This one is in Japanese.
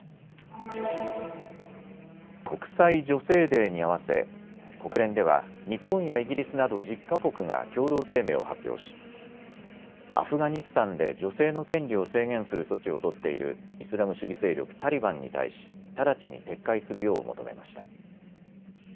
国際女性デーに合わせ国連では日本やイギリスなど１０か国が共同声明を発表し、アフガニスタンで女性の権利を制限する措置を取っているイスラム主義勢力タリバンに対し直ちに撤回するよう求めました。